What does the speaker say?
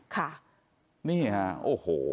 ค่ะนี่ฮะโอ้โห